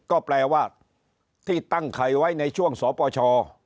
ก็แปลว่าที่ตั้งไข่ไว้ในช่วงสปช